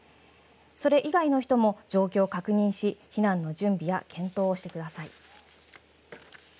それ以外の人も状況を確認し避難の準備や検討をしてください。